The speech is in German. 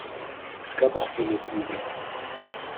Es gab auch viele Siege.